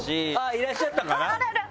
いらっしゃったかな？